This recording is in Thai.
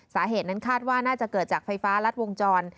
สาเหตุนั้นคาดว่าน่าจะเกิดจากไฟฟ้ารัดวงจร